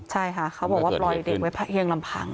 ใช่ค่ะเขาบอกว่าปล่อยเด็กไว้เพียงลำพัง